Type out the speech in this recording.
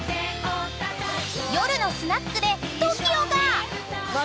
［夜のスナックでＴＯＫＩＯが］